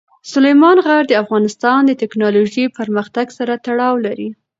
سلیمان غر د افغانستان د تکنالوژۍ پرمختګ سره تړاو لري.